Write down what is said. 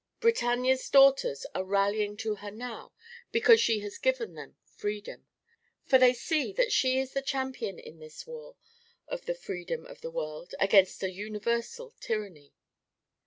Britannia's daughters are rallying to her now because she has given them Freedom, for they see that she is the champion in this war of the Freedom of the World against a universal Tyranny.